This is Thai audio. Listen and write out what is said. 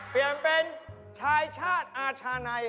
เปลี่ยนเป็นชายชาติอาชาใน